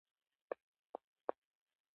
جګر په اونیو بیا جوړېږي.